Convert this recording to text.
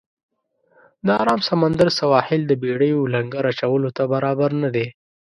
د آرام سمندر سواحل د بېړیو لنګر اچولو ته برابر نه دی.